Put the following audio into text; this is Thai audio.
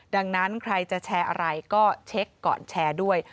ดังนั้นใครจะแชร์อะไรก็เช็คก่อนแชร์ด้วย